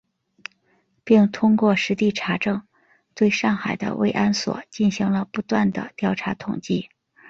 并通过实地查证，对上海的慰安所进行了不断地调查统计